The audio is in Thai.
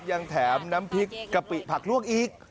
ยังแถมน้ำพริกกะปิผักลวกอีก